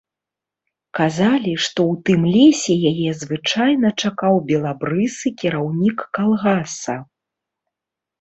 Казалі, што ў тым лесе яе звычайна чакаў белабрысы кіраўнік калгаса.